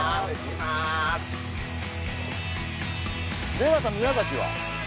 出川さん宮崎は？